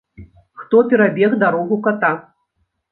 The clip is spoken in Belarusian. Хто перабег дарогу ката?